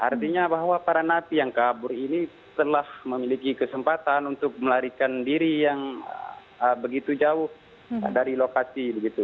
artinya bahwa para napi yang kabur ini telah memiliki kesempatan untuk melarikan diri yang begitu jauh dari lokasi